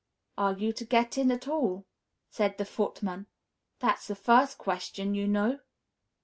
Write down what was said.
"Are you to get in at all?" said the Footman. "That's the first question, you know."